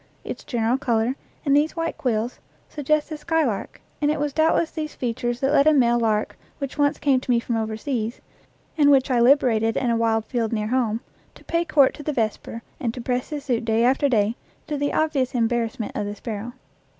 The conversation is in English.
Its general color, and these white quills, suggest the skylark, and it was doubtless these features that led a male lark which once came to me from overseas, and which I liberated in a wide field near home, to pay court to the vesper and to press his suit day after day, to the obvious embarrassment of the sparrow.